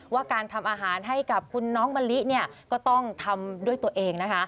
ว่าการทำอาหารให้กับคุณน้องมะลิก็ต้องทำด้วยตัวเองนะคะ